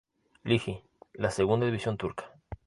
Ligi, la segunda división turca.